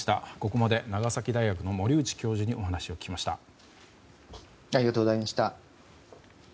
ここまで長崎大学の森内教授にありがとうございました。